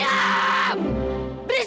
kamu berdua kanan